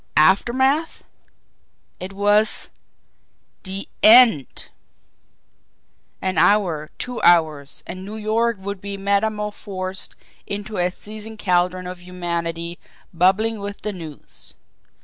Aftermath! It was the END! An hour, two hours, and New York would be metamorphosed into a seething caldron of humanity bubbling with the news.